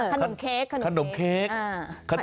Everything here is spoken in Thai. อ่าขนมเค้กขนมเค้กอ่า